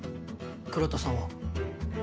倉田さんは？